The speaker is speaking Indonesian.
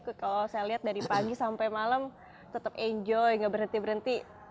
kalau saya lihat dari pagi sampai malam tetap enjoy nggak berhenti berhenti